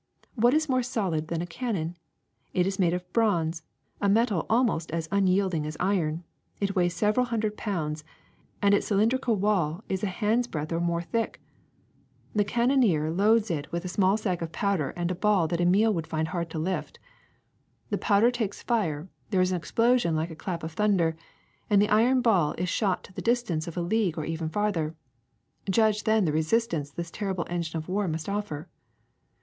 What is more solid than a cannon? It is made of bronze, a metal almost as unyielding as iron ; it weighs several hun dred pounds; and its cj^lindrical wall is a hand's breadth or more thick. The cannoneer loads it with S52 THE SECRET OF EVERYDAY THINGS a small sack of powder and a ball that Emile would find it hard to lift. The powder takes fire, there is an explosion like a clap of thunder, and the iron ball is shot to the distance of a league or even farther. Judge then the resistance this terrible engine of war must offer.